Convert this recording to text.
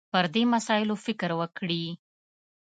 پر دې مسایلو فکر وکړي